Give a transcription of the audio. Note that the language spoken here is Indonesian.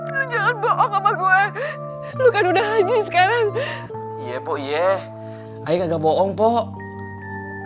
lu jangan bohong sama gue lu kan udah haji sekarang iya pok iye aye kagak bohong pok